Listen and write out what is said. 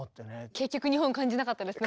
結局日本感じなかったですね